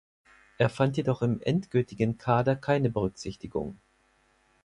Er fand jedoch im endgültigen Kader keine Berücksichtigung.